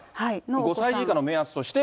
５歳児以下の目安として。